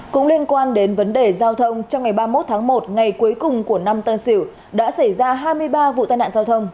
cũng liên quan đến vấn đề giao thông trong ngày ba mươi một tháng một ngày cuối cùng của năm tân sửu đã xảy ra hai mươi ba vụ tai nạn giao thông